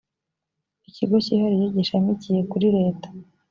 ikigo cyihariye gishamikiye kuri leta.